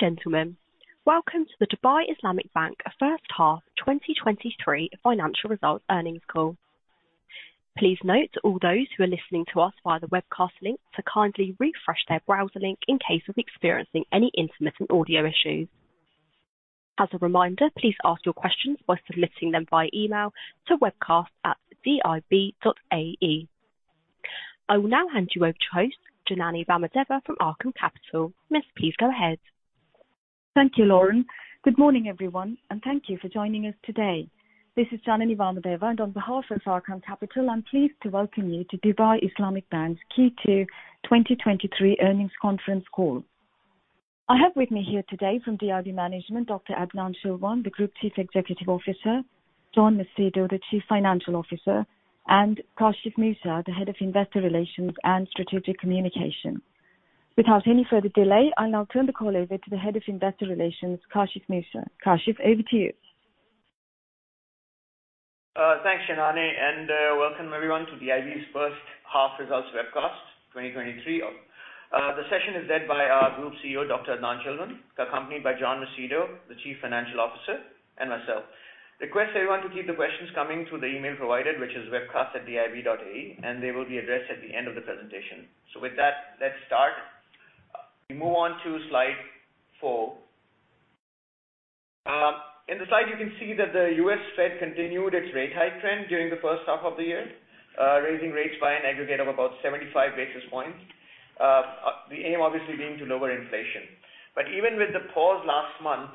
Ladies and gentlemen, welcome to the Dubai Islamic Bank first half, 2023 financial results earnings call. Please note all those who are listening to us via the webcast link to kindly refresh their browser link in case of experiencing any intermittent audio issues. As a reminder, please ask your questions by submitting them via email to webcast@dib.ae. I will now hand you over to host, Janany Vamadeva from Arqaam Capital. Miss, please go ahead. Thank you, Lauren. Good morning, everyone. Thank you for joining us today. This is Janany Vamadeva. On behalf of Arqaam Capital, I'm pleased to welcome you to Dubai Islamic Bank's Q2 2023 earnings conference call. I have with me here today from DIB management, Dr. Adnan Chilwan, the Group Chief Executive Officer, John Macedo, the Chief Financial Officer, and Kashif Moosa, the Head of Investor Relations and Strategic Communication. Without any further delay, I'll now turn the call over to the Head of Investor Relations, Kashif Moosa. Kashif, over to you. thanks, Janany, and welcome everyone to DIB's first half results webcast, 2023. The session is led by our Group Chief Executive Officer, Dr. Adnan Chilwan, accompanied by John Macedo, Chief Financial Officer, and myself. Request everyone to keep the questions coming through the email provided, which is webcast@dib.ae, and they will be addressed at the end of the presentation. With that, let's start. We move on to slide four. In the slide, you can see that the U.S Fed continued its rate hike trend during the first half of the year, raising rates by an aggregate of about 75 basis points. The aim obviously being to lower inflation. Even with the pause last month,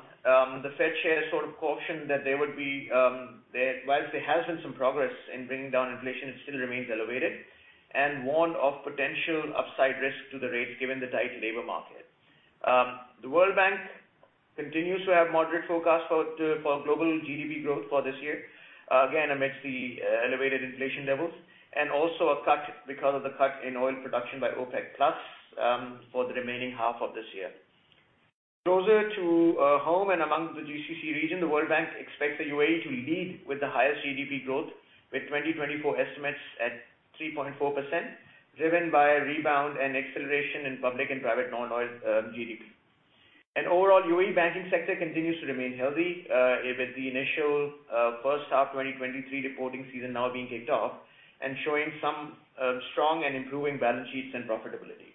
the Fed chair sort of cautioned that while there has been some progress in bringing down inflation, it still remains elevated, and warned of potential upside risk to the rates given the tight labor market. The World Bank continues to have moderate forecast for global GDP growth for this year. Again, amidst the elevated inflation levels, and also a cut because of the cut in oil production by OPEC+, for the remaining half of this year. Closer to home and among the GCC region, the World Bank expects the UAE to lead with the highest GDP growth, with 2024 estimates at 3.4%, driven by a rebound and acceleration in public and private non-oil GDP. Overall, UAE banking sector continues to remain healthy, with the initial first half 2023 reporting season now being kicked off and showing some strong and improving balance sheets and profitability.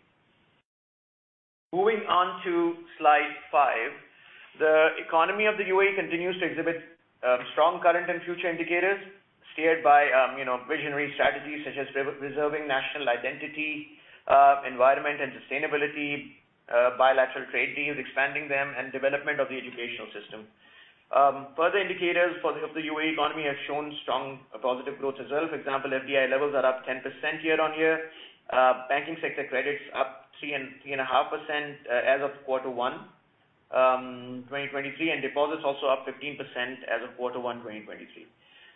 Moving on to slide five. The economy of the UAE continues to exhibit strong current and future indicators steered by, you know, visionary strategies such as pre- reserving national identity, environment and sustainability, bilateral trade deals, expanding them, and development of the educational system. Further indicators of the UAE economy have shown strong positive growth as well. For example, FDI levels are up 10% year-on-year. Banking sector credit is up 3.5%, as of Q1 2023, and deposits also up 15% as of Q1 2023.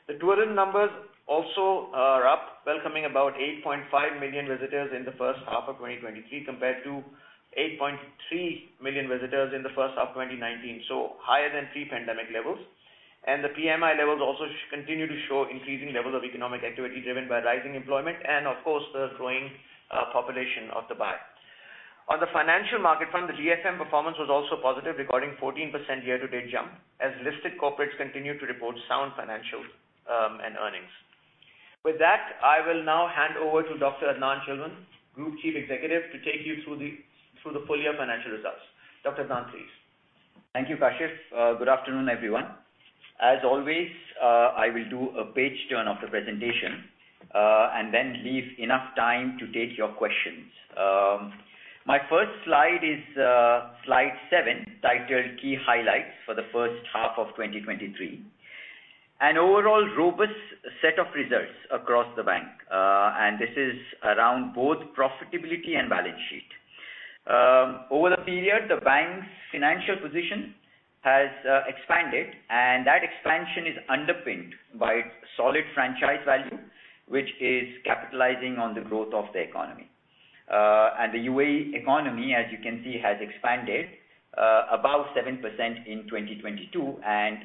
The tourism numbers also are up, welcoming about 8.5 million visitors in the first half of 2023, compared to 8.3 million visitors in the first half of 2019, higher than pre-pandemic levels. The PMI levels also continue to show increasing levels of economic activity, driven by rising employment and of course, the growing population of Dubai. On the financial market front, the DFM performance was also positive, recording 14% year-to-date jump, as listed corporates continued to report sound financial and earnings. With that, I will now hand over to Dr. Adnan Chilwan, Group Chief Executive, to take you through the full year financial results. Dr. Adnan, please. Thank you, Kashif. Good afternoon, everyone. As always, I will do a page turn of the presentation, and then leave enough time to take your questions. My first slide is slide seven, titled Key Highlights for the first half of 2023. An overall robust set of results across the bank, this is around both profitability and balance sheet. Over the period, the bank's financial position has expanded, that expansion is underpinned by its solid franchise value, which is capitalizing on the growth of the economy. The UAE economy, as you can see, has expanded about 7% in 2022, and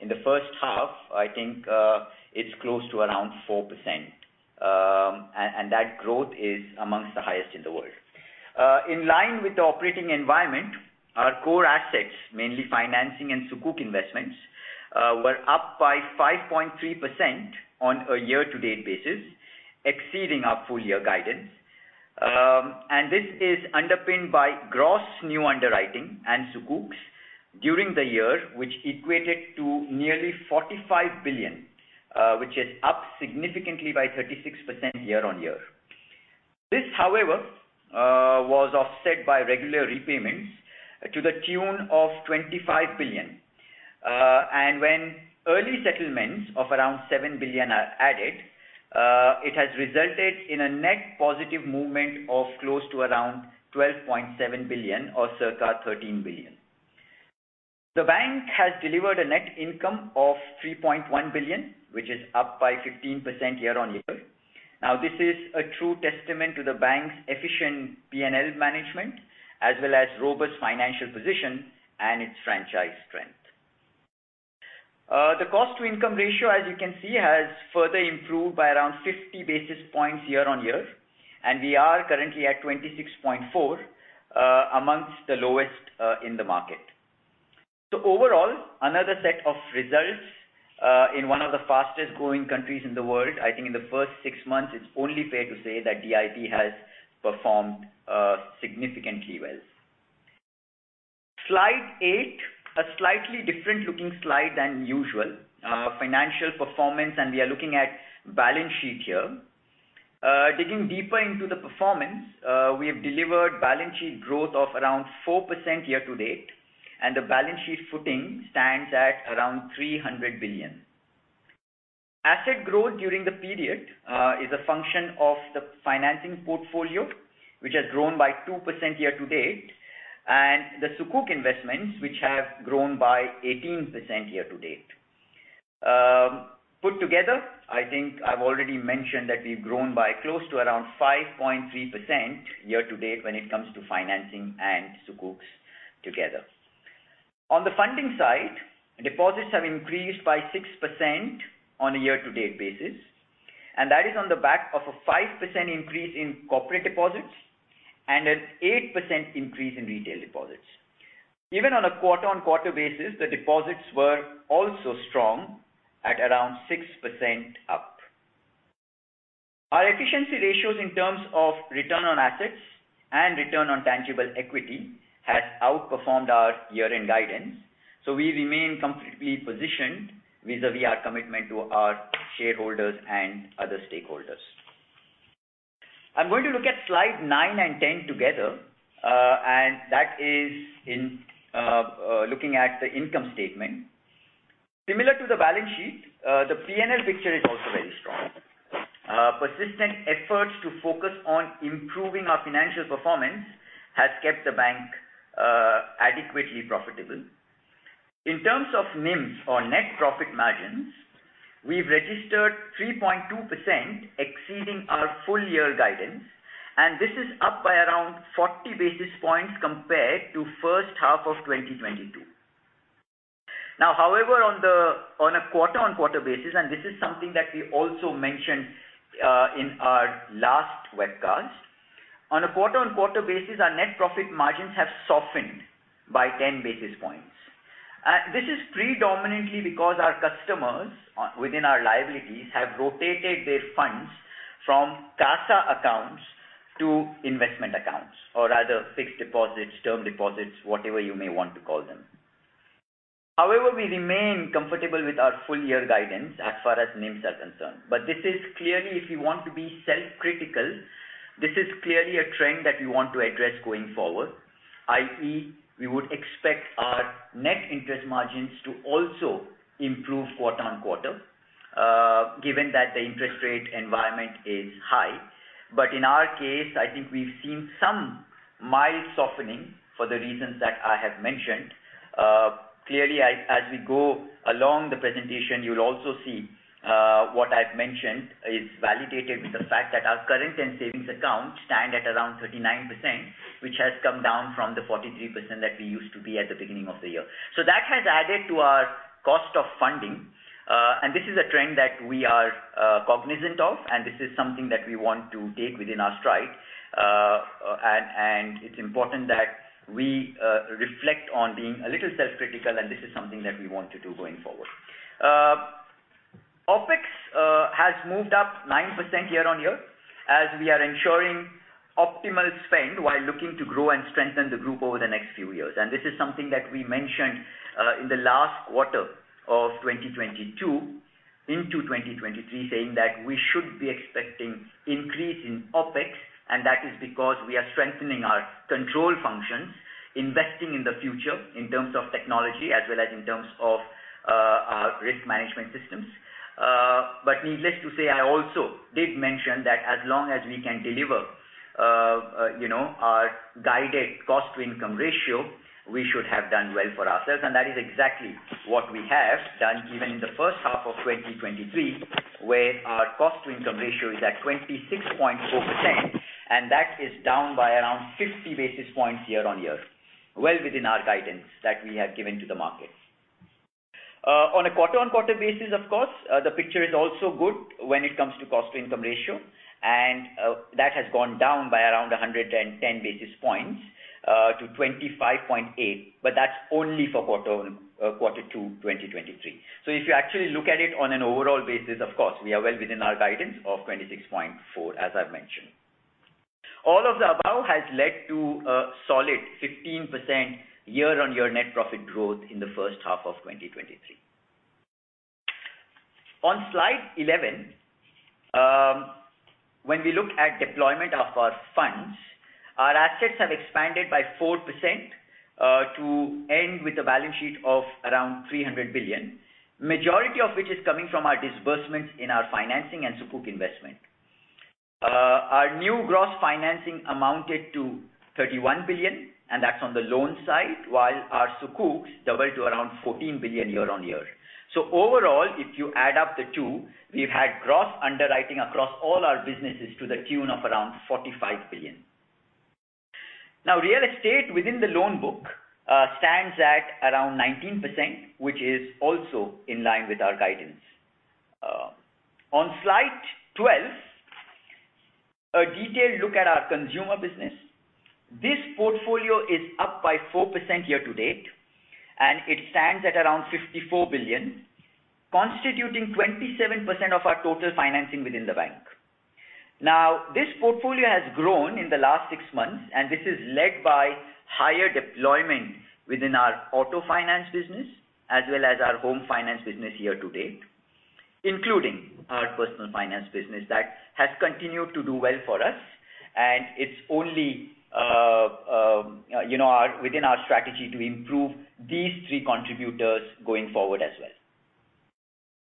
in the first half, I think, it's close to around 4%. That growth is amongst the highest in the world. In line with the operating environment, our core assets, mainly financing and Sukuk investments, were up by 5.3% on a year-to-date basis, exceeding our full year guidance. This is underpinned by gross new underwriting and Sukuks during the year, which equated to nearly 45 billion, which is up significantly by 36% year-on-year. This, however, was offset by regular repayments to the tune of 25 billion. When early settlements of around 7 billion are added, it has resulted in a net positive movement of close to around 12.7 billion or circa 13 billion. The bank has delivered a net income of 3.1 billion, which is up by 15% year-on-year. This is a true testament to the bank's efficient P&L management, as well as robust financial position and its franchise strength. The Cost to Income ratio, as you can see, has further improved by around 50 basis points year-on-year, and we are currently at 26.4 amongst the lowest in the market. Overall, another set of results in one of the fastest-growing countries in the world. I think in the first 6 months, it's only fair to say that DIB has performed significantly well. Slide eight. A slightly different-looking slide than usual. Financial performance, and we are looking at balance sheet here. Digging deeper into the performance, we have delivered balance sheet growth of around 4% year-to-date, and the balance sheet footing stands at around 300 billion. Asset growth during the period is a function of the financing portfolio, which has grown by 2% year-to-date, and the Sukuk investments, which have grown by 18% year-to-date. Put together, I think I've already mentioned that we've grown by close to around 5.3% year-to-date when it comes to financing and Sukuks together. On the funding side, deposits have increased by 6% on a year-to-date basis, and that is on the back of a 5% increase in corporate deposits and an 8% increase in retail deposits. Even on a quarter-on-quarter basis, the deposits were also strong at around 6% up. Our efficiency ratios in terms of return on assets and return on tangible equity has outperformed our year-end guidance, so we remain comfortably positioned vis-à-vis our commitment to our shareholders and other stakeholders. I'm going to look at slide nine and 10 together, and that is in, looking at the income statement. Similar to the balance sheet, the PNL picture is also very strong. Persistent efforts to focus on improving our financial performance has kept the bank adequately profitable. In terms of NIMS or net profit margins, we've registered 3.2%, exceeding our full year guidance, and this is up by around 40 basis points compared to first half of 2022. However, on a quarter-on-quarter basis, and this is something that we also mentioned, in our last webcast. On a quarter-on-quarter basis, our net profit margins have softened by 10 basis points. This is predominantly because our customers within our liabilities have rotated their funds from CASA accounts to investment accounts, or rather fixed deposits, term deposits, whatever you may want to call them. We remain comfortable with our full-year guidance as far as NIMS are concerned. This is clearly if you want to be self-critical, this is clearly a trend that we want to address going forward. I.e., we would expect our net interest margins to also improve quarter-on-quarter, given that the interest rate environment is high. In our case, I think we've seen some mild softening for the reasons that I have mentioned. Clearly, as we go along the presentation, you'll also see what I've mentioned is validated with the fact that our current and savings accounts stand at around 39%, which has come down from the 43% that we used to be at the beginning of the year. That has added to our cost of funding, and this is a trend that we are cognizant of, and this is something that we want to take within our stride. It's important that we reflect on being a little self-critical, and this is something that we want to do going forward. OpEx has moved up 9% year-on-year, as we are ensuring optimal spend while looking to grow and strengthen the group over the next few years. This is something that we mentioned in the last quarter of 2022 into 2023, saying that we should be expecting increase in OPEX, and that is because we are strengthening our control functions, investing in the future in terms of technology as well as in terms of our risk management systems. Needless to say, I also did mention that as long as we can deliver, you know, our guided Cost to Income ratio, we should have done well for ourselves, and that is exactly what we have done, even in the first half of 2023, where our Cost to Income ratio is at 26.4%, and that is down by around 50 basis points year-over-year. Within our guidance that we have given to the market. On a quarter-on-quarter basis, of course, the picture is also good when it comes to Cost to Income ratio, and that has gone down by around 110 basis points to 25.8, but that's only for quarter 2, 2023. If you actually look at it on an overall basis, of course, we are well within our guidance of 26.4, as I've mentioned. All of the above has led to a solid 15% year-on-year net profit growth in the first half of 2023. On slide 11, when we look at deployment of our funds, our assets have expanded by 4% to end with a balance sheet of around 300 billion, majority of which is coming from our disbursements in our financing and Sukuk investment. Our new gross financing amounted to 31 billion, and that's on the loan side, while our Sukuks doubled to around 14 billion year-on-year. Overall, if you add up the two, we've had gross underwriting across all our businesses to the tune of around 45 billion. Real estate within the loan book stands at around 19%, which is also in line with our guidance. On slide 12, a detailed look at our consumer business. This portfolio is up by 4% year-to-date, and it stands at around 54 billion, constituting 27% of our total financing within the bank. This portfolio has grown in the last six months, and this is led by higher deployment within our auto finance business, as well as our home finance business year-to-date, including our personal finance business. That has continued to do well for us, and it's only, you know, within our strategy to improve these three contributors going forward as well.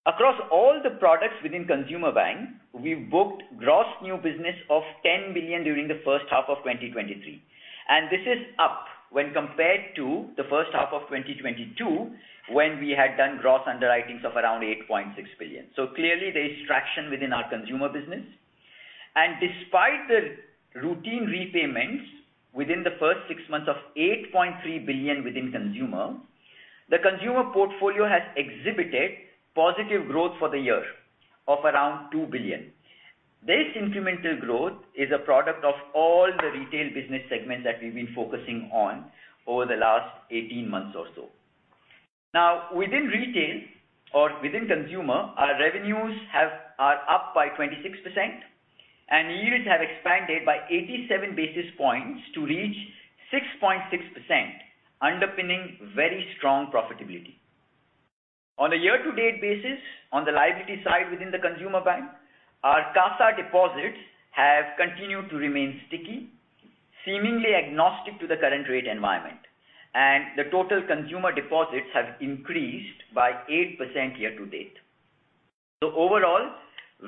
Across all the products within consumer bank, we've booked gross new business of 10 billion during the first half of 2023, and this is up when compared to the first half of 2022, when we had done gross underwriting of around 8.6 billion. Clearly there is traction within our consumer business. Despite the routine repayments within the first six months of 8.3 billion within consumer, the consumer portfolio has exhibited positive growth for the year of around 2 billion. This incremental growth is a product of all the retail business segments that we've been focusing on over the last 18 months or so. Within retail or within consumer, our revenues are up by 26%, and yields have expanded by 87 basis points to reach 6.6%, underpinning very strong profitability. On a year-to-date basis, on the liability side within the consumer bank, our CASA deposits have continued to remain sticky, seemingly agnostic to the current rate environment, and the total consumer deposits have increased by 8% year-to-date. Overall,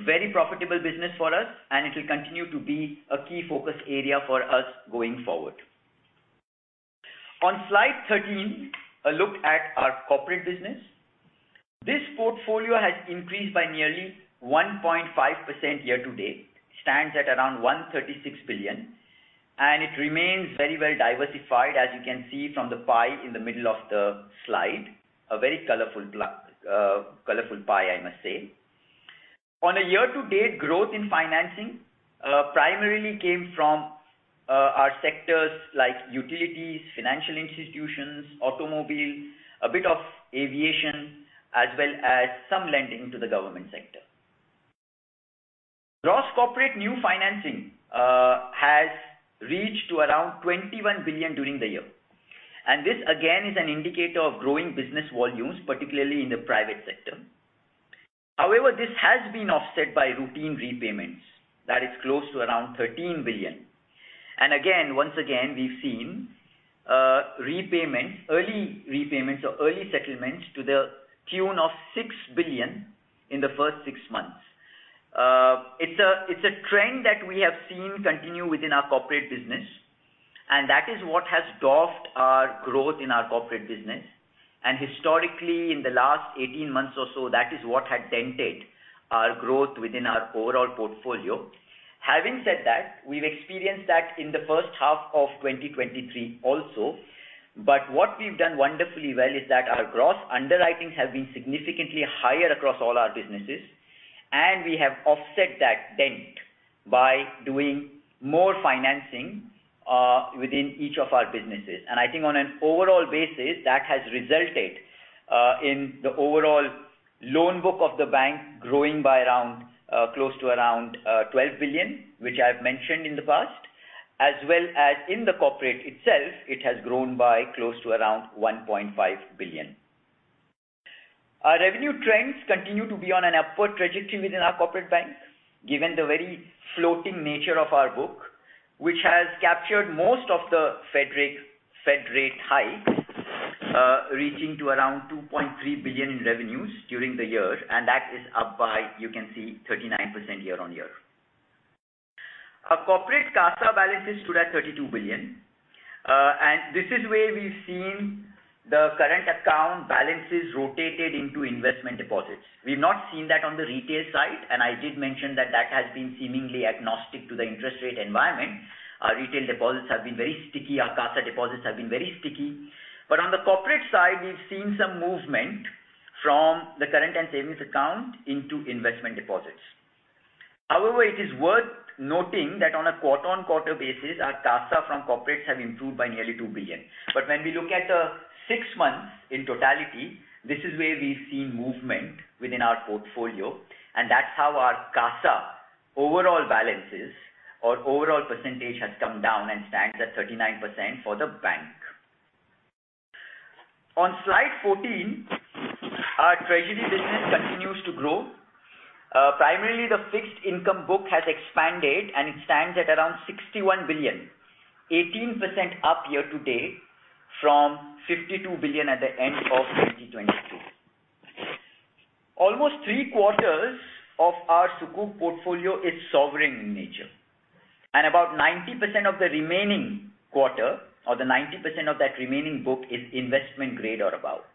very profitable business for us, and it will continue to be a key focus area for us going forward. On slide 13, a look at our corporate business. This portfolio has increased by nearly 1.5% year-to-date, stands at around 136 billion, and it remains very, very diversified, as you can see from the pie in the middle of the slide. A very colorful colorful pie, I must say. On a year-to-date, growth in financing primarily came from our sectors like utilities, financial institutions, automobile, a bit of aviation, as well as some lending to the government sector. Gross corporate new financing has reached to around 21 billion during the year. This again is an indicator of growing business volumes, particularly in the private sector. However, this has been offset by routine repayments that is close to around 13 billion. Again, once again, we've seen repayments, early repayments or early settlements to the tune of 6 billion in the first six months. It's a trend that we have seen continue within our corporate business. That is what has docked our growth in our corporate business. Historically, in the last 18 months or so, that is what had dented our growth within our overall portfolio. Having said that, we've experienced that in the first half of 2023 also, but what we've done wonderfully well is that our gross underwriting has been significantly higher across all our businesses, and we have offset that dent by doing more financing within each of our businesses. I think on an overall basis, that has resulted in the overall loan book of the bank growing by around close to around 12 billion, which I've mentioned in the past, as well as in the corporate itself, it has grown by close to around 1.5 billion. Our revenue trends continue to be on an upward trajectory within our corporate bank, given the very floating nature of our book, which has captured most of the Fed rate hike, reaching to around 2.3 billion in revenues during the year, and that is up by, you can see, 39% year-on-year. Our corporate CASA balances stood at 32 billion. This is where we've seen the current account balances rotated into investment deposits. We've not seen that on the retail side, and I did mention that that has been seemingly agnostic to the interest rate environment. Our retail deposits have been very sticky. Our CASA deposits have been very sticky. On the corporate side, we've seen some movement from the current and savings account into investment deposits. It is worth noting that on a quarter-on-quarter basis, our CASA from corporates have improved by nearly 2 billion. When we look at the six months in totality, this is where we've seen movement within our portfolio, and that's how our CASA overall balances or overall percentage has come down and stands at 39% for the bank. On slide 14, our treasury business continues to grow. Primarily the fixed income book has expanded, and it stands at around 61 billion, 18% up year-to-date from 52 billion at the end of 2022. Almost three quarters of our Sukuk portfolio is sovereign in nature, and about 90% of the remaining quarter or the 90% of that remaining book is investment-grade or above.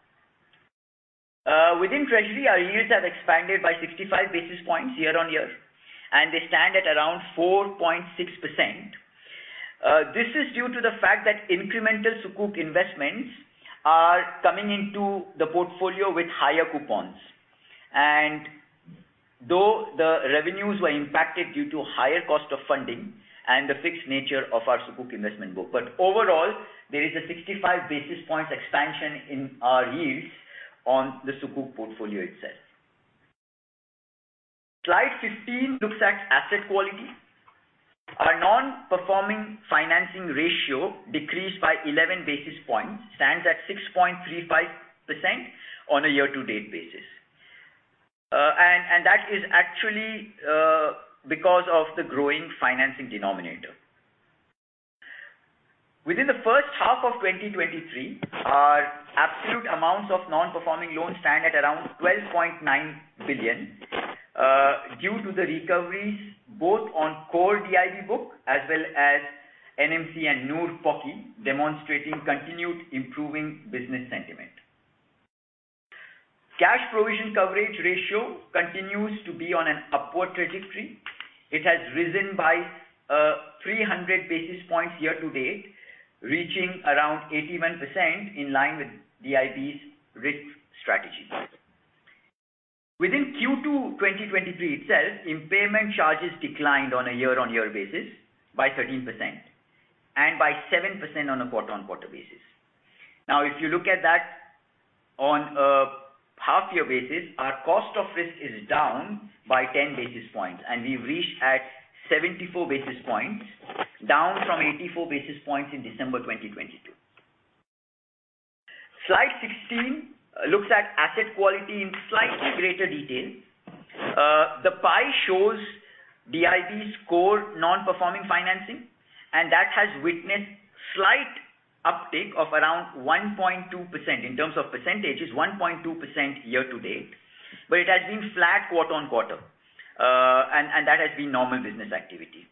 Within treasury, our yields have expanded by 65 basis points year-on-year, and they stand at around 4.6%. This is due to the fact that incremental Sukuk investments are coming into the portfolio with higher coupons. Though the revenues were impacted due to higher Cost of Risk and the fixed nature of our Sukuk investment book. Overall, there is a 65 basis points expansion in our yields on the Sukuk portfolio itself. Slide 15 looks at asset quality. Our Non-Performing Financing ratio decreased by 11 basis points, stands at 6.35% on a year-to-date basis. That is actually because of the growing financing denominator. Within the first half of 2023, our absolute amounts of non-performing loans stand at around 12.9 billion due to the recoveries both on core DIB book as well as NMC and Noor POCI, demonstrating continued improving business sentiment. Cash provision coverage ratio continues to be on an upward trajectory. It has risen by 300 basis points year-to-date, reaching around 81% in line with DIB's risk strategy. Within Q2 2023 itself, impairment charges declined on a year-on-year basis by 13% and by 7% on a quarter-on-quarter basis. If you look at that on a half-year basis, our Cost of Risk is down by 10 basis points, and we've reached at 74 basis points, down from 84 basis points in December 2022. Slide 16 looks at asset quality in slightly greater detail. The pie shows DIB's core non-performing financing, and that has witnessed slight uptick of around 1.2%. In terms of percentages, 1.2% year-to-date, but it has been flat quarter-on-quarter, and that has been normal business activity.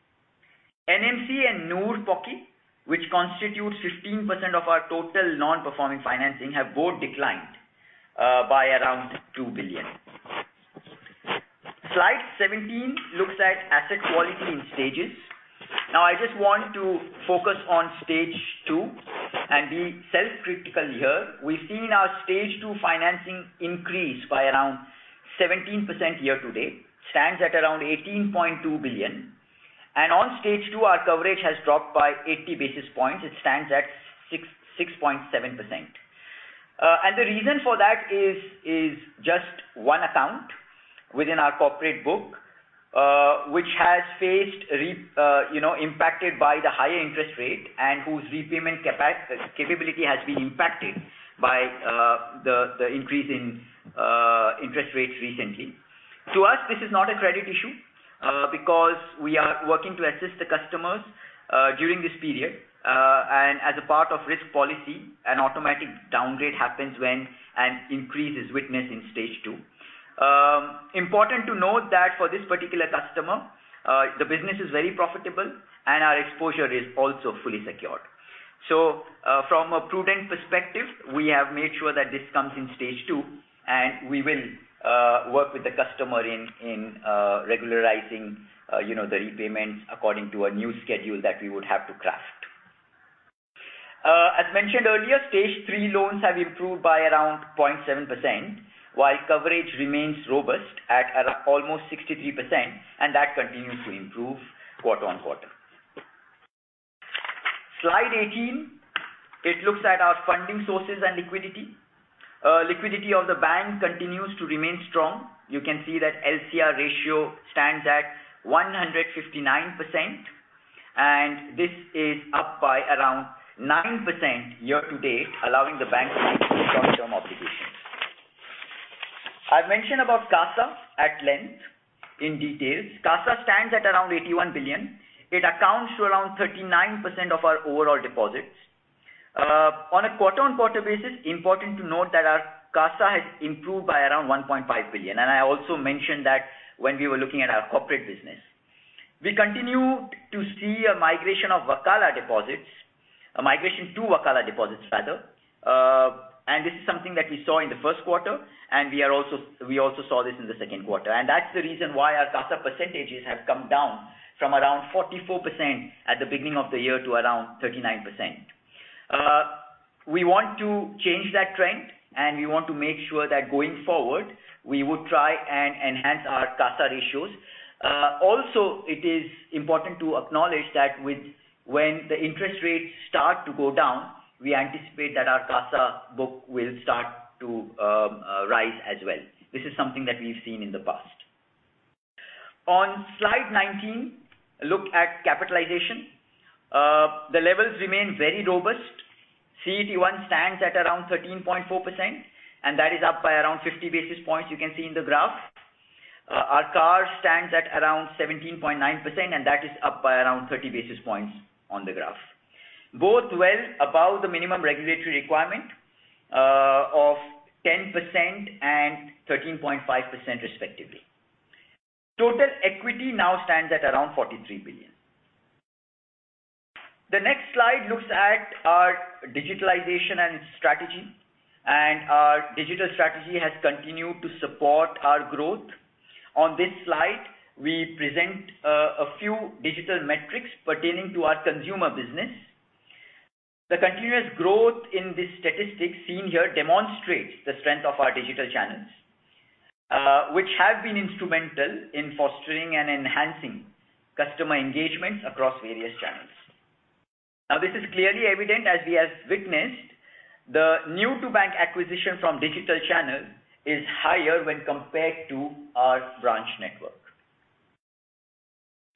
NMC and Noor POCI, which constitutes 15% of our total non-performing financing, have both declined by around 2 billion. Slide 17 looks at asset quality in stages. I just want to focus on Stage 2 and be self-critical here. We've seen our Stage 2 financing increase by around 17% year-to-date, stands at around 18.2 billion, and on Stage 2 our coverage has dropped by 80 basis points. It stands at 6.7%. The reason for that is just one account within our corporate book, which has faced, you know, impacted by the higher interest rate and whose repayment capability has been impacted by the increase in interest rates recently. To us, this is not a credit issue because we are working to assist the customers during this period. As a part of risk policy, an automatic downgrade happens when an increase is witnessed in Stage 2. Important to note that for this particular customer, the business is very profitable and our exposure is also fully secured. From a prudent perspective, we have made sure that this comes in Stage 2, and we will work with the customer in regularizing, you know, the repayments according to a new schedule that we would have to craft. As mentioned earlier, Stage 3 loans have improved by around 0.7%, while coverage remains robust at around almost 63%, and that continues to improve quarter-on-quarter. Slide 18, it looks at our funding sources and liquidity. Liquidity of the bank continues to remain strong. You can see that LCR ratio stands at 159%. This is up by around 9% year-to-date, allowing the bank to meet short-term obligations. I've mentioned about CASA at length in details. CASA stands at around 81 billion. It accounts to around 39% of our overall deposits. On a quarter-on-quarter basis, important to note that our CASA has improved by around 1.5 billion. I also mentioned that when we were looking at our corporate business. We continue to see a migration of Wakala deposits, a migration to Wakala deposits rather. This is something that we saw in the first quarter, and we also saw this in the second quarter. That's the reason why our CASA percentages have come down from around 44% at the beginning of the year to around 39%. We want to change that trend, and we want to make sure that going forward, we would try and enhance our CASA ratios. Also, it is important to acknowledge that when the interest rates start to go down, we anticipate that our CASA book will start to rise as well. This is something that we've seen in the past. On slide 19, look at capitalization. The levels remain very robust. CET1 stands at around 13.4%, and that is up by around 50 basis points, you can see in the graph. Our CAR stands at around 17.9%, and that is up by around 30 basis points on the graph. Both well above the minimum regulatory requirement of 10% and 13.5%, respectively. Total equity now stands at around 43 billion. The next slide looks at our digitalization and strategy. Our digital strategy has continued to support our growth. On this slide, we present a few digital metrics pertaining to our consumer business. The continuous growth in this statistic seen here demonstrates the strength of our digital channels, which have been instrumental in fostering and enhancing customer engagement across various channels. This is clearly evident as we have witnessed the new-to-bank acquisition from digital channels is higher when compared to our branch network.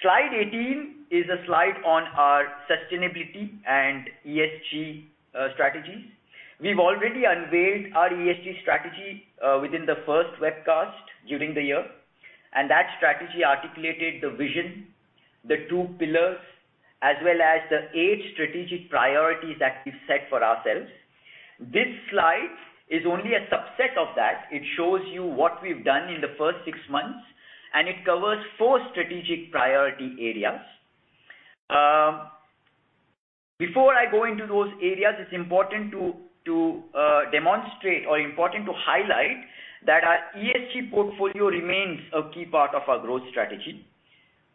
Slide 18 is a slide on our sustainability and ESG strategies. We've already unveiled our ESG strategy within the first webcast during the year. That strategy articulated the vision, the two pillars, as well as the eight strategic priorities that we've set for ourselves. This slide is only a subset of that. It shows you what we've done in the first six months, and it covers four strategic priority areas. Before I go into those areas, it's important to demonstrate or important to highlight that our ESG portfolio remains a key part of our growth strategy.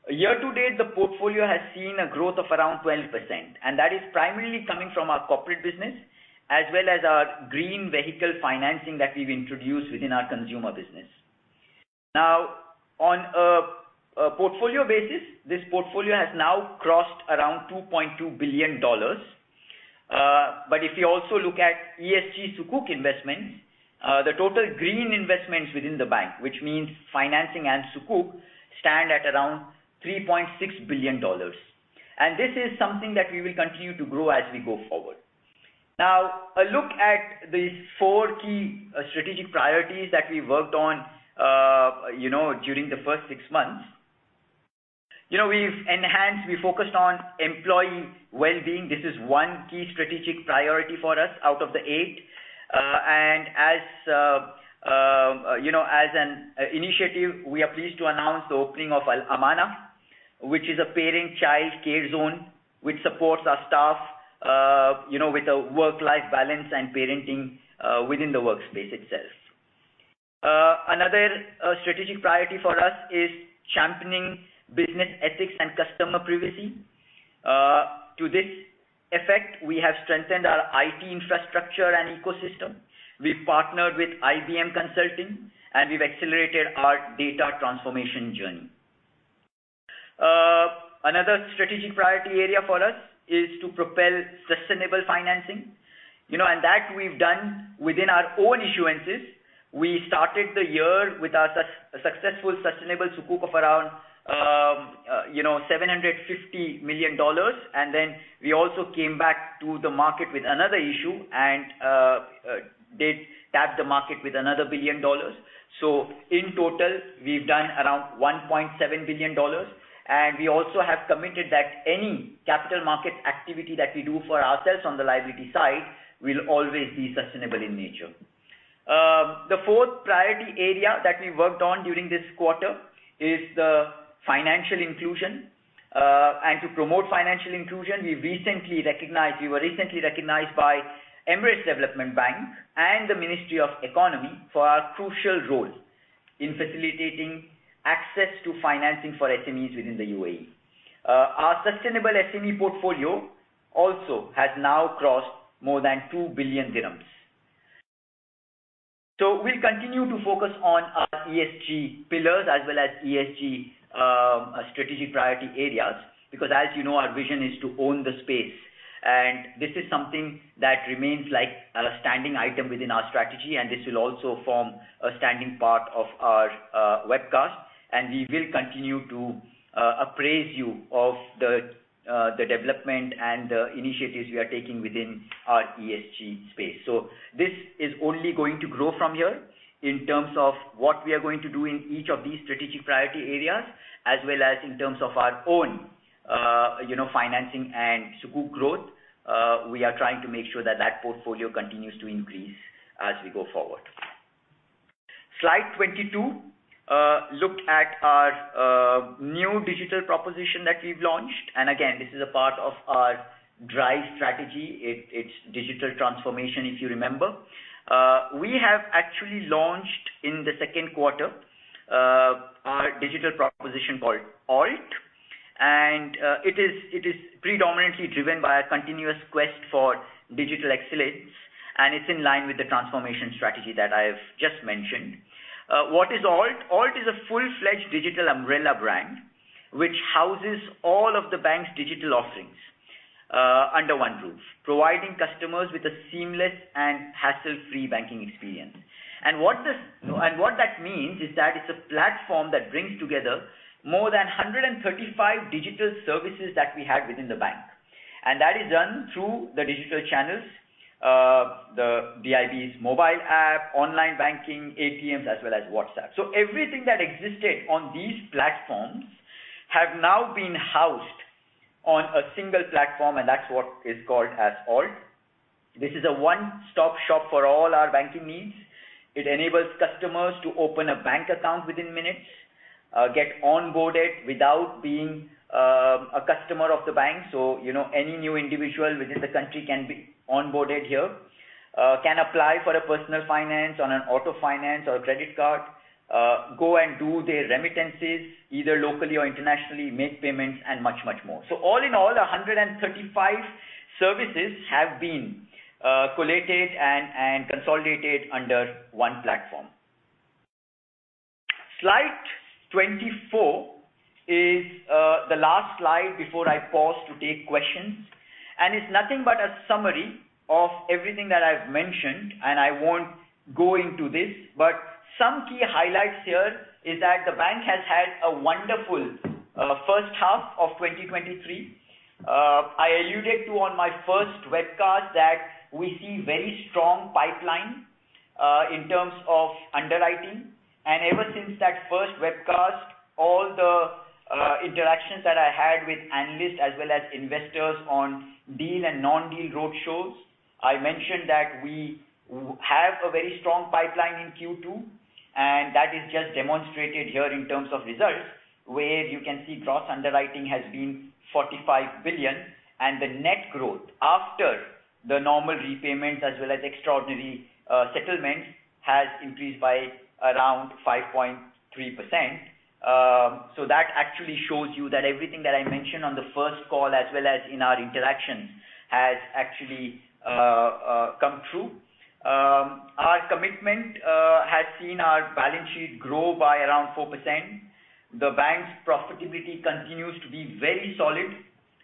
Year to date, the portfolio has seen a growth of around 12%, and that is primarily coming from our corporate business, as well as our green vehicle financing that we've introduced within our consumer business. On a portfolio basis, this portfolio has now crossed around $2.2 billion. If you also look at ESG Sukuk investments, the total green investments within the bank, which means financing and Sukuk, stand at around $3.6 billion. This is something that we will continue to grow as we go forward. A look at the four key strategic priorities that we worked on, you know, during the first six months. We focused on employee well-being. This is one key strategic priority for us out of the eight. As, you know, as an initiative, we are pleased to announce the opening of Al Amanah, which is a parent-child care zone, which supports our staff, you know, with a work-life balance and parenting within the workspace itself. Another strategic priority for us is championing business ethics and customer privacy. To this effect, we have strengthened our IT infrastructure and ecosystem. We've partnered with IBM Consulting, we've accelerated our data transformation journey. Another strategic priority area for us is to propel sustainable financing, you know, that we've done within our own issuances. We started the year with a successful, sustainable Sukuk of around, you know, $750 million, then we also came back to the market with another issue and did tap the market with another $1 billion. In total, we've done around $1.7 billion, we also have committed that any capital market activity that we do for ourselves on the liability side will always be sustainable in nature. The fourth priority area that we worked on during this quarter is the financial inclusion. To promote financial inclusion, we were recently recognized by Emirates Development Bank and the Ministry of Economy for our crucial role in facilitating access to financing for SMEs within the UAE. Our sustainable SME portfolio also has now crossed more than 2 billion dirhams. We'll continue to focus on our ESG pillars as well as ESG strategic priority areas, because as you know, our vision is to own the space, and this is something that remains like a standing item within our strategy, and this will also form a standing part of our webcast. We will continue to appraise you of the development and the initiatives we are taking within our ESG space. This is only going to grow from here in terms of what we are going to do in each of these strategic priority areas, as well as in terms of our own, you know, financing and Sukuk growth. We are trying to make sure that that portfolio continues to increase as we go forward. Slide 22, looked at our new digital proposition that we've launched, and again, this is a part of our drive strategy. It's digital transformation, if you remember. We have actually launched in the second quarter, our digital proposition called Alt, and it is predominantly driven by a continuous quest for digital excellence, it's in line with the transformation strategy that I have just mentioned. What is Alt? Alt is a full-fledged digital umbrella brand, which houses all of the bank's digital offerings, under one roof, providing customers with a seamless and hassle-free banking experience. What that means is that it's a platform that brings together more than 135 digital services that we have within the bank, and that is done through the digital channels, the DIB's mobile app, online banking, ATMs, as well as WhatsApp. Everything that existed on these platforms have now been housed on a single platform, and that's what is called as Alt. This is a one-stop shop for all our banking needs. It enables customers to open a bank account within minutes, get onboarded without being a customer of the bank. You know, any new individual within the country can be onboarded here. Can apply for a personal finance on an auto finance or a credit card, go and do their remittances either locally or internationally, make payments and much, much more. All in all, 135 services have been collated and consolidated under one platform. Slide 24 is the last slide before I pause to take questions, and it's nothing but a summary of everything that I've mentioned, and I won't go into this. Some key highlights here is that the bank has had a wonderful first half of 2023. I alluded to on my first webcast that we see very strong pipeline in terms of underwriting. Ever since that first webcast, all the interactions that I had with analysts as well as investors on deal and non-deal roadshows, I mentioned that we have a very strong pipeline in Q2, and that is just demonstrated here in terms of results, where you can see gross underwriting has been 45 billion, and the net growth after the normal repayments, as well as extraordinary settlements, has increased by around 5.3%. That actually shows you that everything that I mentioned on the first call as well as in our interactions has actually come true. Our commitment has seen our balance sheet grow by around 4%. The bank's profitability continues to be very solid,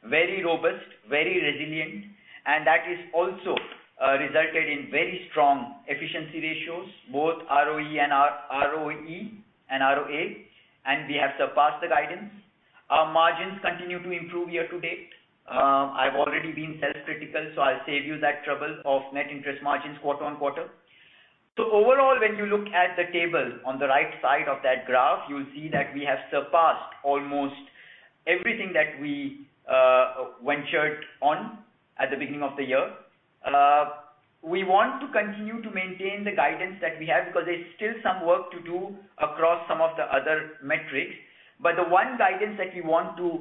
very robust, very resilient, and that is also resulted in very strong efficiency ratios, both ROE and ROA, and we have surpassed the guidance. Our margins continue to improve year-to-date. I've already been self-critical, I'll save you that trouble of net interest margins quarter-on-quarter. Overall, when you look at the table on the right side of that graph, you'll see that we have surpassed almost everything that we ventured on at the beginning of the year. We want to continue to maintain the guidance that we have because there's still some work to do across some of the other metrics. The one guidance that we want to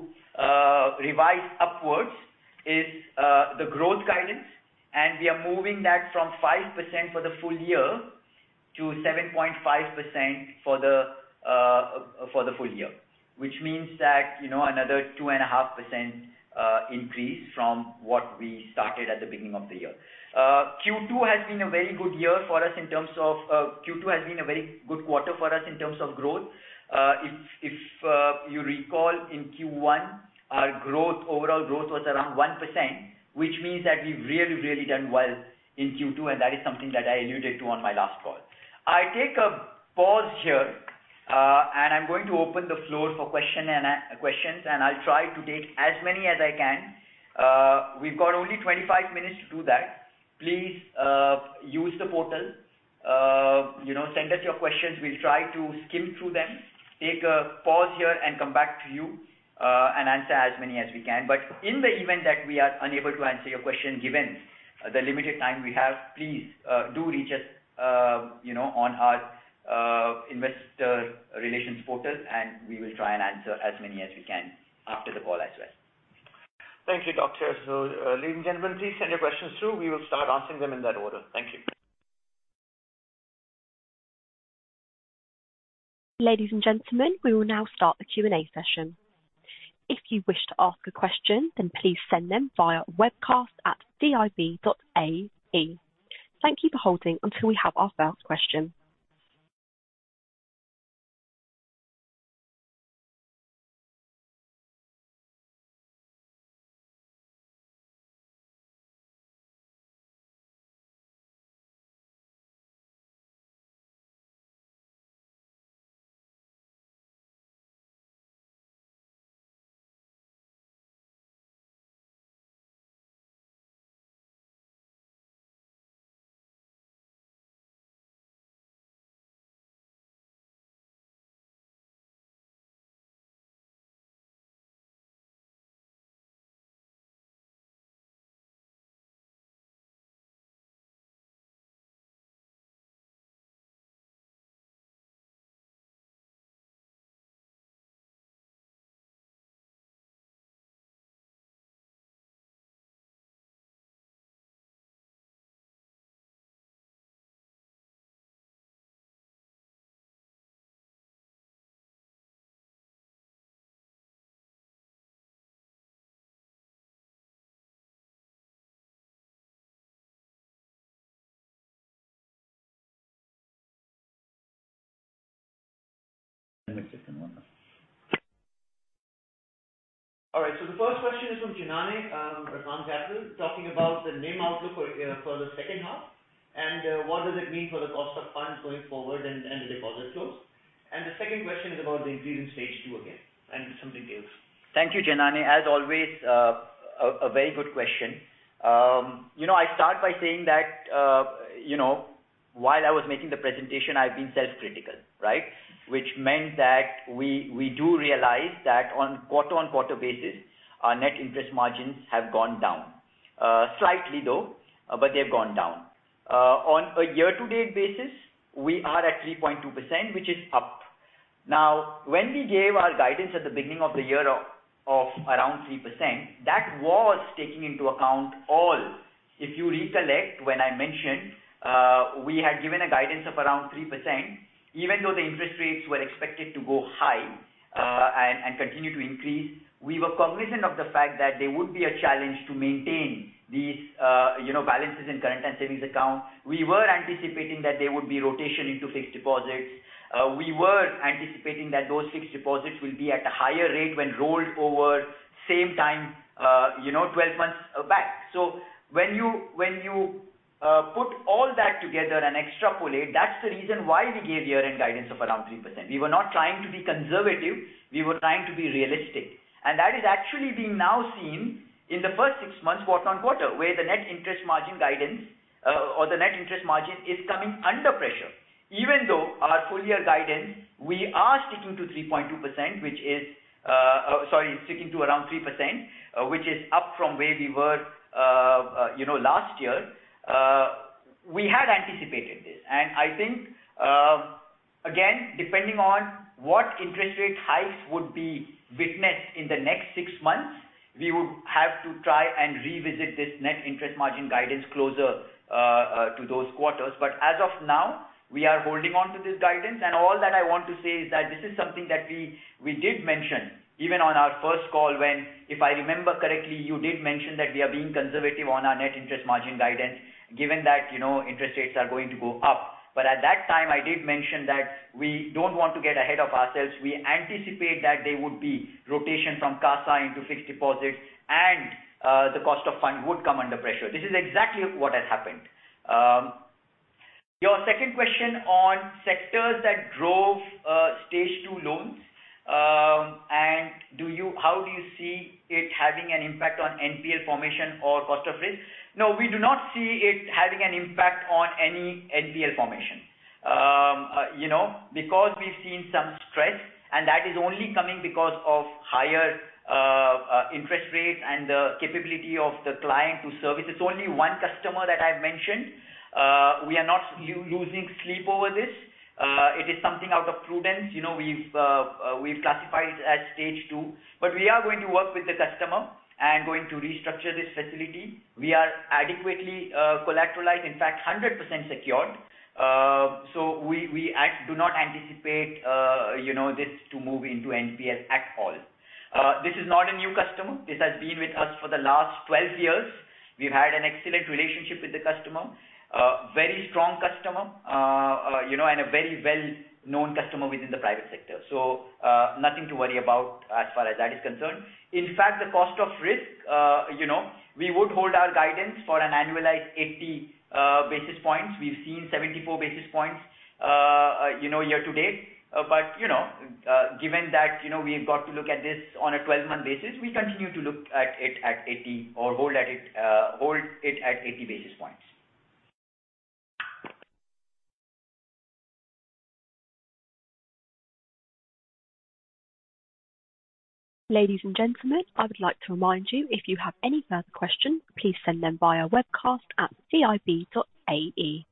revise upwards is the growth guidance. We are moving that from 5% for the full year to 7.5% for the full year. That means that, you know, another 2.5% increase from what we started at the beginning of the year. Q2 has been a very good quarter for us in terms of growth. If you recall in Q1, our growth, overall growth was around 1%. That means that we've really done well in Q2. That is something that I alluded to on my last call. I take a pause here. I'm going to open the floor for questions, and I'll try to take as many as I can. We've got only 25 minutes to do that. Please, use the portal. You know, send us your questions, we'll try to skim through them, take a pause here and come back to you, and answer as many as we can. In the event that we are unable to answer your question, given the limited time we have, please, do reach us, you know, on our investor relations portal, and we will try and answer as many as we can after the call as well. Thank you, Doctor. Ladies and gentlemen, please send your questions through. We will start answering them in that order. Thank you. Ladies and gentlemen, we will now start the Q&A session. If you wish to ask a question, then please send them via webcast@dib.ae. Thank you for holding until we have our first question. The first question is from Janani, at Arqaam Capital, talking about the NIM outlook for the second half, and, what does it mean for the cost of funds going forward and the deposit flows? The second question is about the increase in Stage 2 again, and some details. Thank you, Janany. As always, a very good question. You know, I start by saying that while I was making the presentation, I've been self-critical, right? We do realize that on a quarter-on-quarter basis, our net interest margins have gone down slightly though, but they've gone down. On a year-to-date basis, we are at 3.2%, which is up. When we gave our guidance at the beginning of the year of around 3%, that was taking into account all. If you recollect, when I mentioned, we had given a guidance of around 3%, even though the interest rates were expected to go high, and continue to increase, we were cognizant of the fact that there would be a challenge to maintain these, you know, balances in current and savings account. We were anticipating that there would be rotation into fixed deposits. We were anticipating that those fixed deposits will be at a higher rate when rolled over same time, you know, 12 months back. When you put all that together and extrapolate, that's the reason why we gave year-end guidance of around 3%. We were not trying to be conservative, we were trying to be realistic. That is actually being now seen in the first six months, quarter on quarter, where the net interest margin guidance, or the net interest margin is coming under pressure. Even though our full year guidance, we are sticking to 3.2%, which is, sorry, sticking to around 3%, which is up from where we were, you know, last year. We had anticipated this, and I think, again, depending on what interest rate hikes would be witnessed in the next six months, we would have to try and revisit this net interest margin guidance closer to those quarters. As of now, we are holding on to this guidance. All that I want to say is that this is something that we did mention, even on our first call, when, if I remember correctly, you did mention that we are being conservative on our net interest margin guidance, given that, you know, interest rates are going to go up. At that time, I did mention that we don't want to get ahead of ourselves. We anticipate that there would be rotation from CASA into fixed deposits and the cost of fund would come under pressure. This is exactly what has happened. Your second question on sectors that drove Stage 2 loans, and how do you see it having an impact on NPL formation or Cost of Risk? No, we do not see it having an impact on any NPL formation. You know, because we've seen some stress, and that is only coming because of higher interest rates and the capability of the client to service. It's only one customer that I've mentioned. We are not using sleep over this. It is something out of prudence. You know, we've classified as Stage 2, but we are going to work with the customer and going to restructure this facility. We are adequately collateralized, in fact, 100% secured. We do not anticipate, you know, this to move into NPLs at all. This is not a new customer. This has been with us for the last 12 years. We've had an excellent relationship with the customer, very strong customer, you know, and a very well-known customer within the private sector. Nothing to worry about as far as that is concerned. In fact, the Cost of Risk, you know, we would hold our guidance for an annualized 80 basis points. We've seen 74 basis points, you know, year to date. You know, given that, you know, we've got to look at this on a 12-month basis, we continue to look at it at 80 or hold at it, hold it at 80 basis points. Ladies and gentlemen, I would like to remind you, if you have any further questions, please send them via webcast at dib.ae.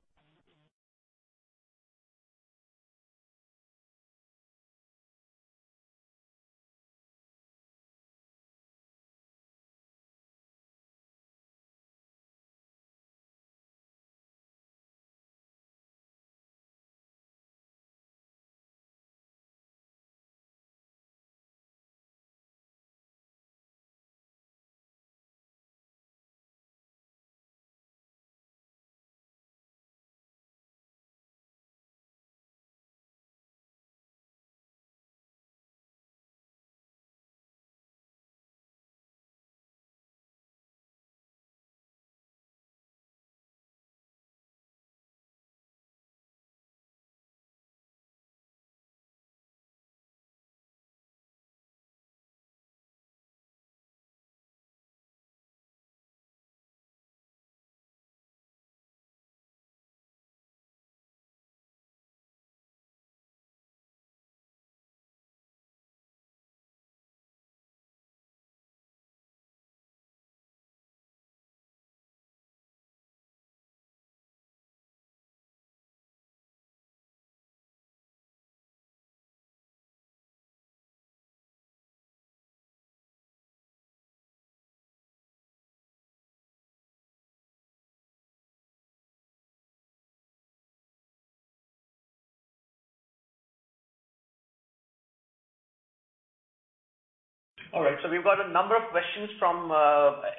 All right, we've got a number of questions from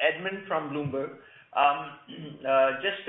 Edmund from Bloomberg. I'll just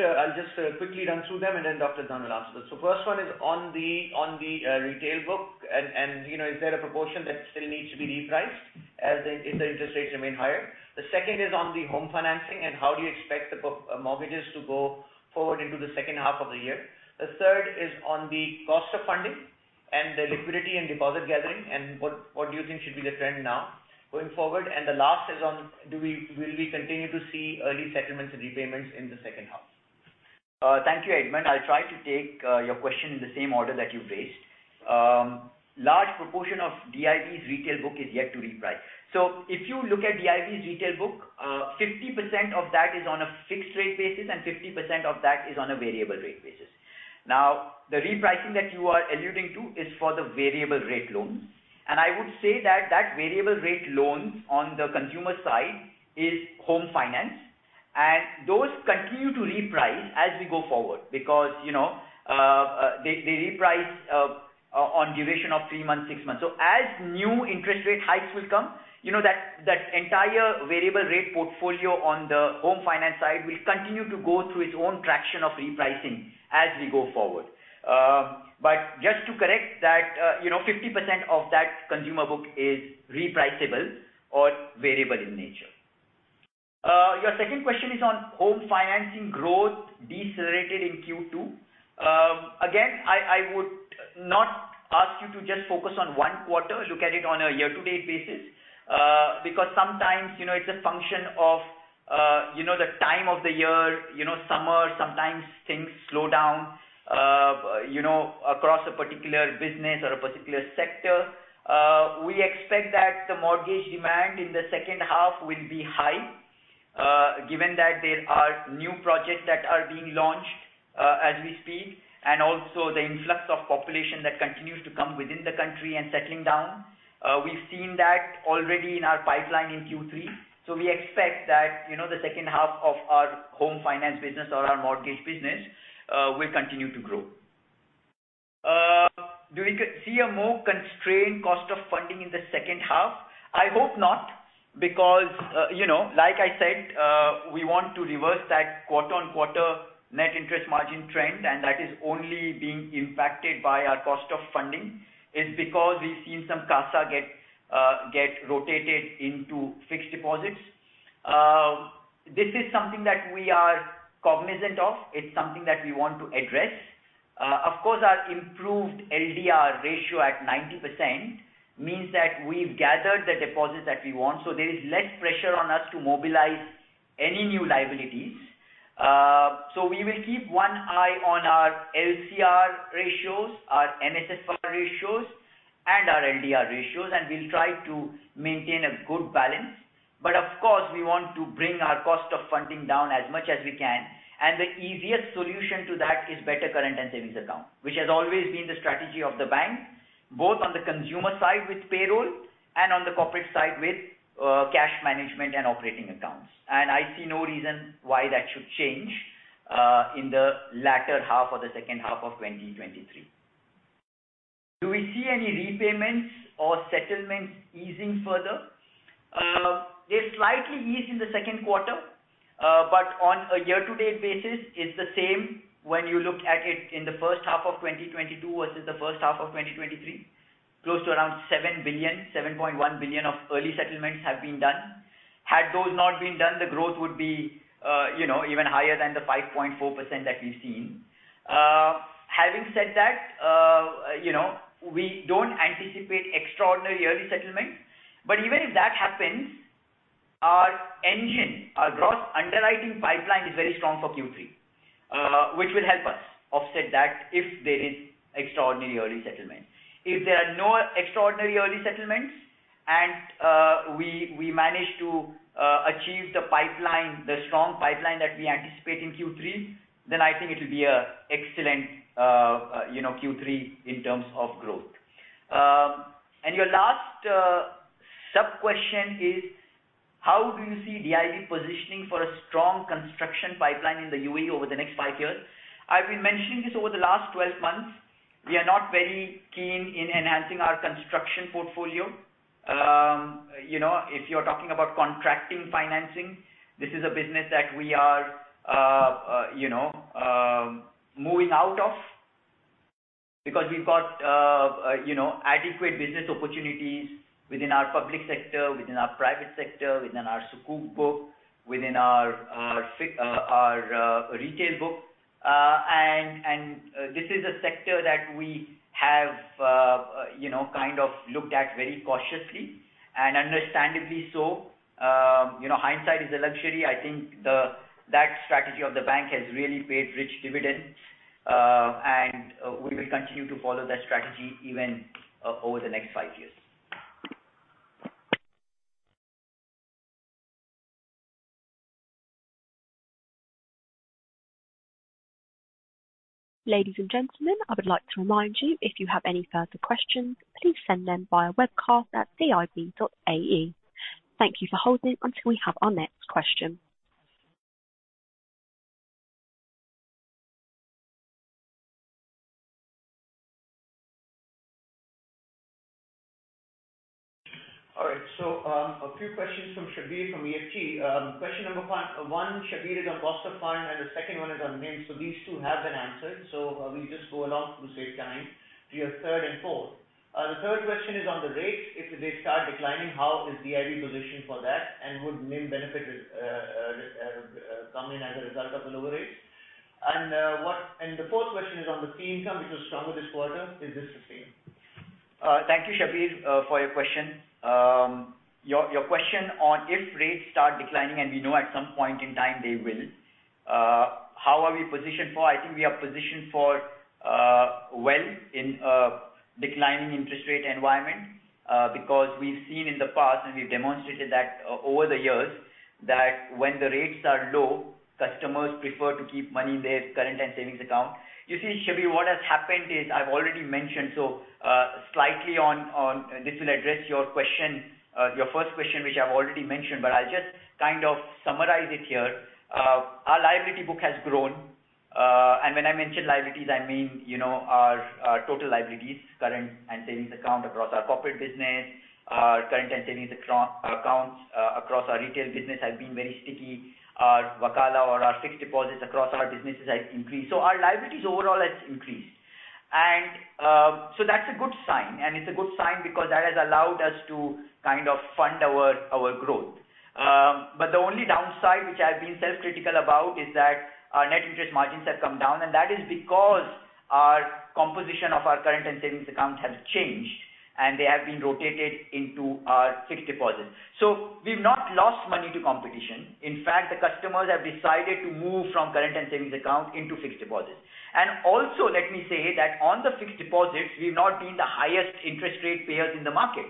quickly run through them and then Dr.Adnan will answer. First one is on the retail book and, you know, is there a proportion that still needs to be repriced if the interest rates remain higher? The second is on the home financing, how do you expect the book mortgages to go forward into the second half of the year? The third is on the cost of funding. and the liquidity and deposit gathering, and what do you think should be the trend now going forward? The last is on, will we continue to see early settlements and repayments in the second half? Thank you, Edmund. I'll try to take your question in the same order that you've raised. Large proportion of DIB's retail book is yet to reprice. If you look at DIB's retail book, 50% of that is on a fixed-rate basis, and 50% of that is on a variable-rate basis. The repricing that you are alluding to is for the variable rate loans. I would say that variable rate loans on the consumer side is home finance, and those continue to reprice as we go forward. You know, they reprice on duration of three months, six months. As new interest rate hikes will come, you know, that entire variable rate portfolio on the home finance side will continue to go through its own traction of repricing as we go forward. Just to correct that, you know, 50% of that consumer book is repriceable or variable in nature. Your second question is on home financing growth decelerated in Q2. Again, I would not ask you to just focus on one quarter, look at it on a year-to-date basis. Because sometimes, you know, it's a function of, you know, the time of the year, you know, summer, sometimes things slow down, you know, across a particular business or a particular sector. We expect that the mortgage demand in the second half will be high, given that there are new projects that are being launched, as we speak, and also the influx of population that continues to come within the country and settling down. We've seen that already in our pipeline in Q3. We expect that, you know, the second half of our home finance business or our mortgage business will continue to grow. Do we see a more constrained cost of funding in the second half? I hope not, because, you know, like I said, we want to reverse that quarter on quarter net interest margin trend, and that is only being impacted by our cost of funding, is because we've seen some CASA get rotated into fixed deposits. This is something that we are cognizant of. It's something that we want to address. Of course, our improved LDR ratio at 90% means that we've gathered the deposits that we want, so there is less pressure on us to mobilize any new liabilities. We will keep one eye on our LCR ratios, our NSFR ratios, and our LDR ratios, and we'll try to maintain a good balance. We want to bring our cost of funding down as much as we can, the easiest solution to that is better current and savings account. Which has always been the strategy of the bank, both on the consumer side with payroll and on the corporate side with cash management and operating accounts. I see no reason why that should change in the latter half or the second half of 2023. Do we see any repayments or settlements easing further? They slightly eased in the second quarter on a year-to-date basis, it's the same when you look at it in the first half of 2022 versus the first half of 2023. Close to around 7 billion, 7.1 billion of early settlements have been done. Had those not been done, the growth would be, you know, even higher than the 5.4% that we've seen. Having said that, you know, we don't anticipate extraordinary early settlement, but even if that happens, our engine, our gross underwriting pipeline is very strong for Q3, which will help us offset that if there is extraordinary early settlement. If there are no extraordinary early settlements and we manage to achieve the pipeline, the strong pipeline that we anticipate in Q3, then I think it will be a excellent, you know, Q3 in terms of growth. Your last sub-question is: How do you see DIB positioning for a strong construction pipeline in the UAE over the next five-years? I've been mention this over the last 12 months. We are not very keen in enhancing our construction portfolio. You know, if you're talking about contracting financing, this is a business that we are moving out of because we've got adequate business opportunities within our public sector, within our private sector, within our Sukuk book, within our retail book. And this is a sector that we have kind of looked at very cautiously and understandably so. You know, hindsight is a luxury. I think that strategy of the bank has really paid rich dividends, and we will continue to follow that strategy even over the next five-years. Ladies and gentlemen, I would like to remind you, if you have any further questions, please send them via webcast@dib.ae. Thank you for holding until we have our next question. All right. A few questions from Shabbir, from EFG Hermes. Question number five, one, Shabbir, is on foster fund, and the second one is on NIM. These two have been answered. We'll just go along to save time to your third and fourth. The third question is on the rates. If they start declining, how is DIB positioned for that? Would NIM benefit come in as a result of the lower rates? The fourth question is on the fee income, which was stronger this quarter. Is this the same? Thank you, Shabbir, for your question. Your question on if rates start declining, and we know at some point in time they will, how are we positioned for? I think we are positioned for well in declining interest rate environment, because we've seen in the past, and we've demonstrated that over the years, that when the rates are low, customers prefer to keep money in their current and savings account. You see, Shabbir, what has happened is I've already mentioned, so, slightly on. This will address your question, your first question, which I've already mentioned, but I'll just kind of summarize it here. Our liability book has grown. When I mention liabilities, I mean, you know, our total liabilities, current and savings account across our corporate business, our current and savings accounts across our retail business have been very sticky. Our wakalah or our fixed deposits across our businesses has increased. So our liabilities overall has increased. That's a good sign, and it's a good sign because that has allowed us to kind of fund our growth. The only downside, which I've been self-critical about, is that our net interest margins have come down, and that is because our composition of our current and savings account has changed, and they have been rotated into our fixed deposits. We've not lost money to competition. In fact, the customers have decided to move from current and savings account into fixed deposits. Also, let me say that on the fixed deposits, we've not been the highest interest rate payers in the market.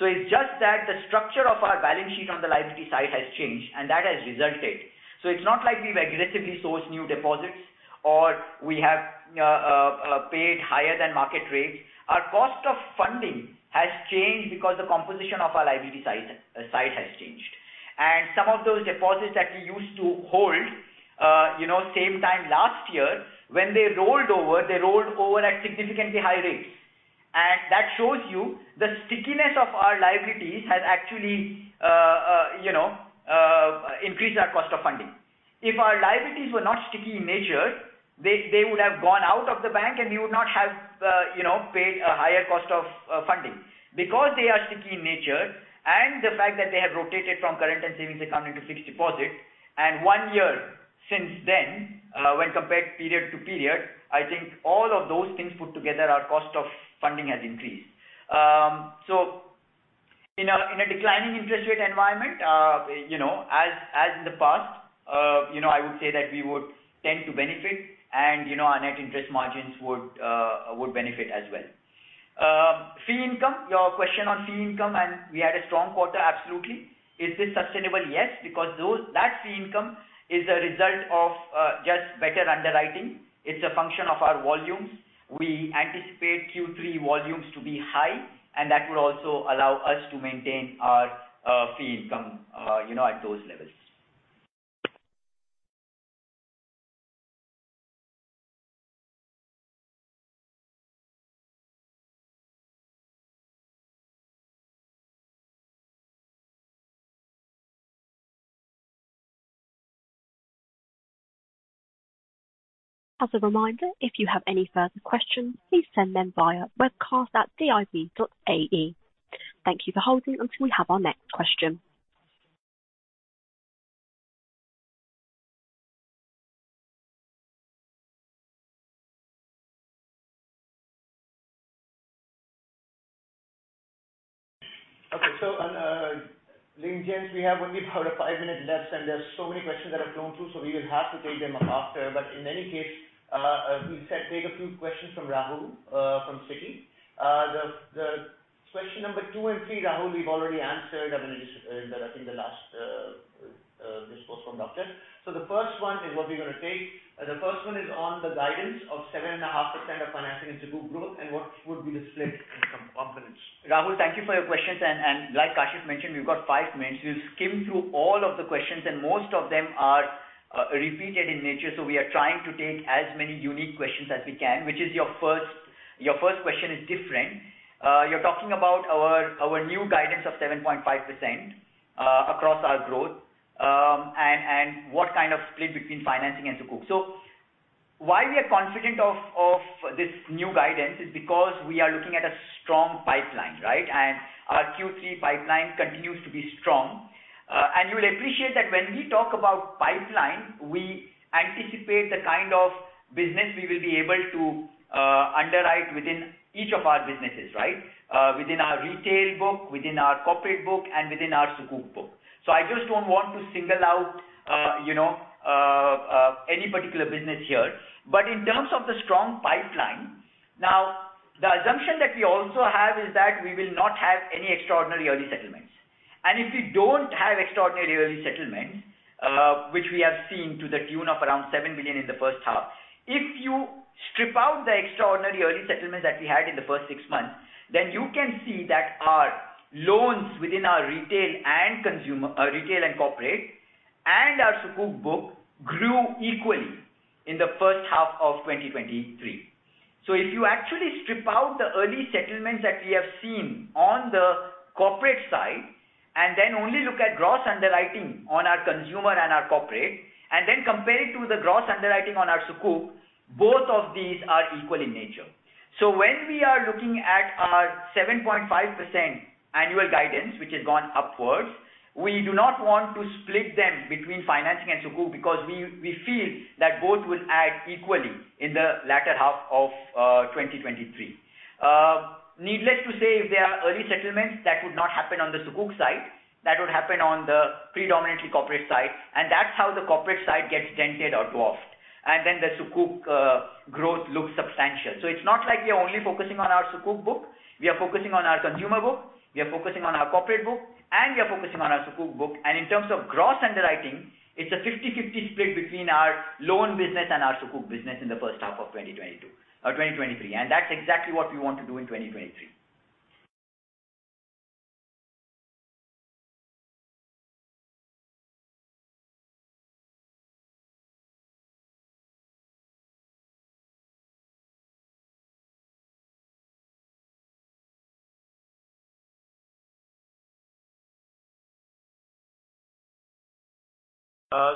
It's just that the structure of our balance sheet on the liability side has changed, and that has resulted. It's not like we've aggressively sourced new deposits or we have paid higher than market rates. Our cost of funding has changed because the composition of our liability side has changed. Some of those deposits that we used to hold, you know, same time last year, when they rolled over, they rolled over at significantly high rates. That shows you the stickiness of our liabilities has actually, you know, increased our cost of funding. If our liabilities were not sticky in nature, they would have gone out of the bank and we would not have, you know, paid a higher cost of funding. They are sticky in nature and the fact that they have rotated from current and savings account into fixed deposits, and one year since then, when compared period to period, I think all of those things put together, our cost of funding has increased. In a declining interest rate environment, you know, as in the past, you know, I would say that we would tend to benefit and, you know, our net interest margins would benefit as well. Fee income. Your question on fee income, we had a strong quarter, absolutely. Is this sustainable? Yes, because that fee income is a result of just better underwriting. It's a function of our volumes. We anticipate Q3 volumes to be high. That would also allow us to maintain our fee income, you know, at those levels. As a reminder, if you have any further questions, please send them via webcast@dib.ae. Thank you for holding until we have our next question. Ladies and gents, we have only about five minutes left. There are so many questions that have come through. We will have to take them up after. In any case, we said take a few questions from Rahul from Citi. The question number two and three, Rahul, we've already answered in the, I think the last. This was from Doctor. The first one is what we're going to take. The first one is on the guidance of 7.5% of financing and Sukuk growth, and what would be the split in confidence? Rahul, thank you for your questions. Like Kashif mentioned, we've got five minutes. We'll skim through all of the questions, and most of them are repeated in nature. We are trying to take as many unique questions as we can, which is your first question is different. You're talking about our new guidance of 7.5% across our growth, and what kind of split between financing and Sukuk. Why we are confident of this new guidance is because we are looking at a strong pipeline, right? Our Q3 pipeline continues to be strong. And you'll appreciate that when we talk about pipeline, we anticipate the kind of business we will be able to underwrite within each of our businesses, right? Within our retail book, within our corporate book, and within our Sukuk book. I just don't want to single out, you know, any particular business here. In terms of the strong pipeline, now, the assumption that we also have is that we will not have any extraordinary early settlements. If we don't have extraordinary early settlements, which we have seen to the tune of around $7 billion in the first half. If you strip out the extraordinary early settlements that we had in the first six months, you can see that our loans within our retail and consumer, retail and corporate, and our Sukuk book grew equally in the first half of 2023. If you actually strip out the early settlements that we have seen. On the corporate side, only look at gross underwriting on our consumer and our corporate, and then compare it to the gross underwriting on our Sukuk. Both of these are equal in nature. When we are looking at our 7.5% annual guidance, which has gone upwards, we do not want to split them between financing and Sukuk because we feel that both will add equally in the latter half of 2023. Needless to say, if there are early settlements, that would not happen on the Sukuk side, that would happen on the predominantly corporate side, and that's how the corporate side gets dented or dwarfed. The Sukuk growth looks substantial. It's not like we are only focusing on our Sukuk book. We are focusing on our consumer book, we are focusing on our corporate book, and we are focusing on our Sukuk book. In terms of gross underwriting, it's a 50/50 split between our loan business and our Sukuk business in the first half of 2022 or 2023. That's exactly what we want to do in 2023. A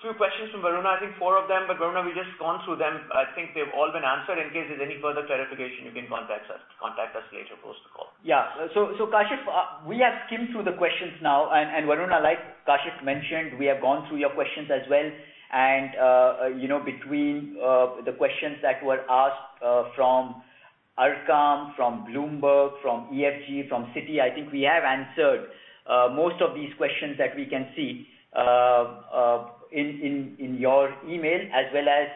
few questions from Varuna. I think four of them, but Varuna, we've just gone through them. I think they've all been answered. In case there's any further clarification, you can contact us later post the call. Yeah. Kashif, we have skimmed through the questions now. Varuna, like Kashif mentioned, we have gone through your questions as well. You know, between the questions that were asked from Arqaam, from Bloomberg, from EFG, from Citi, I think we have answered most of these questions that we can see in your email, as well as,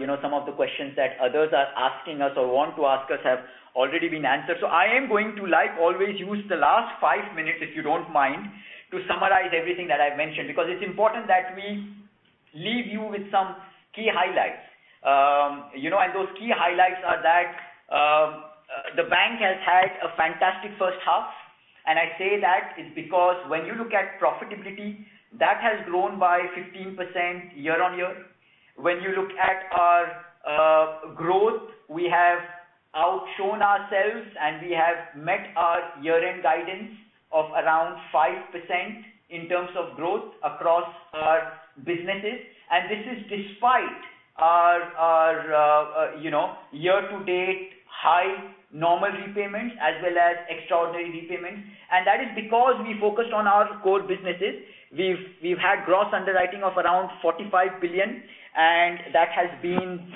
you know, some of the questions that others are asking us or want to ask us have already been answered. I am going to like always use the last five minutes, if you don't mind, to summarize everything that I've mentioned, because it's important that we leave you with some key highlights. You know, those key highlights are that the bank has had a fantastic first half. I say that is because when you look at profitability, that has grown by 15% year-on-year. When you look at our growth, we have outshown ourselves, and we have met our year-end guidance of around 5% in terms of growth across our businesses. This is despite our, you know, year-to-date high normal repayments as well as extraordinary repayments. That is because we focused on our core businesses. We've had gross underwriting of around 45 billion, and that has been,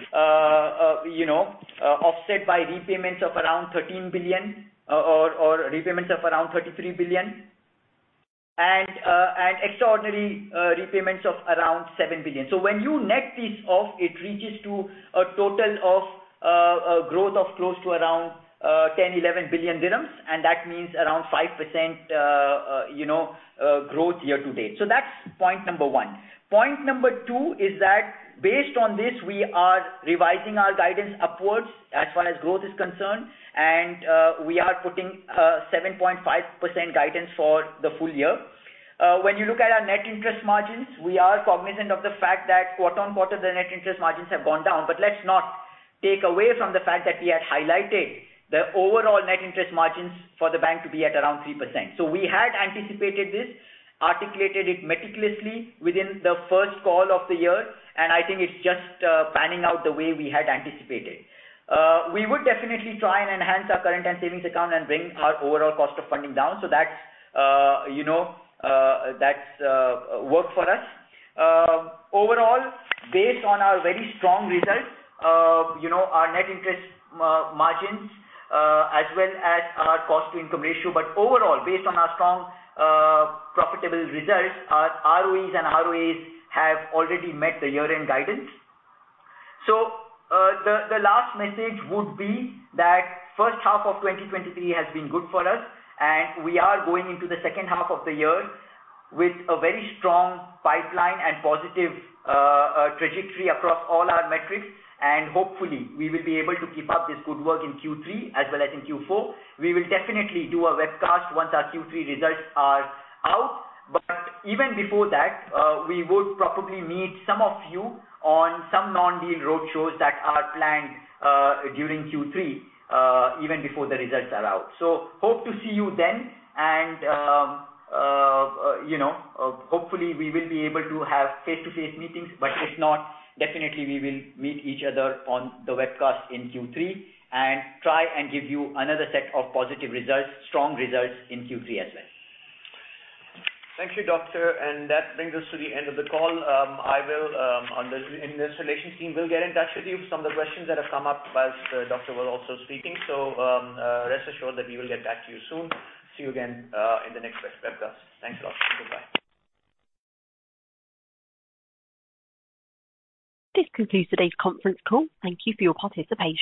you know, offset by repayments of around 13 billion, or repayments of around 33 billion, and extraordinary repayments of around 7 billion. When you net this off, it reaches to a total of a growth of close to around 10 billion-11 billion dirhams, and that means around 5% growth year to date. That's point number one. Point number two is that based on this, we are revising our guidance upwards as far as growth is concerned, and we are putting a 7.5% guidance for the full year. When you look at our net interest margins, we are cognizant of the fact that quarter-on-quarter, the net interest margins have gone down. Let's not take away from the fact that we had highlighted the overall net interest margins for the bank to be at around 3%. We had anticipated this, articulated it meticulously within the first call of the year, and I think it's just panning out the way we had anticipated. We would definitely try and enhance our current and savings account and bring our overall cost of funding down. That's, you know, that's work for us. Overall, based on our very strong results, you know, our net interest margins, as well as our Cost to Income ratio. Overall, based on our strong, profitable results, our ROEs and ROAs have already met the year-end guidance. The last message would be that first half of 2023 has been good for us, and we are going into the second half of the year with a very strong pipeline and positive trajectory across all our metrics. Hopefully, we will be able to keep up this good work in Q3 as well as in Q4. We will definitely do a webcast once our Q3 results are out, but even before that, we would probably meet some of you on some non-deal roadshows that are planned during Q3, even before the results are out. Hope to see you then. You know, hopefully we will be able to have face-to-face meetings, but if not, definitely we will meet each other on the webcast in Q3 and try and give you another set of positive results, strong results in Q3 as well. Thank you, Doctor. That brings us to the end of the call. I will, and the investor relations team will get in touch with you. Some of the questions that have come up while the doctor was also speaking. Rest assured that we will get back to you soon. See you again in the next webcast. Thanks a lot. Goodbye. This concludes today's conference call. Thank you for your participation.